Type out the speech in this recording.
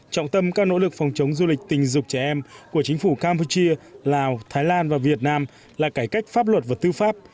trọng tâm các nỗ lực phòng chống du lịch tình dục trẻ em của chính phủ campuchia lào thái lan và việt nam là cải cách pháp luật và tư pháp